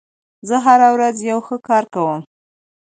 زه هره ورځ یو ښه کار کوم.